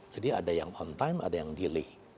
jadi ada yang on time ada yang delay